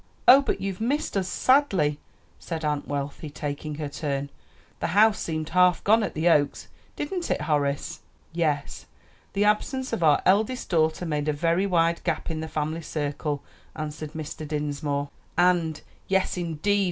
"Oh, but you've missed us sadly!" said Aunt Wealthy, taking her turn; "the house seemed half gone at the Oaks. Didn't it, Horace?" "Yes; the absence of our eldest daughter made a very wide gap in the family circle," answered Mr. Dinsmore. And "Yes, indeed!"